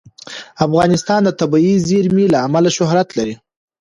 افغانستان د طبیعي زیرمې له امله شهرت لري.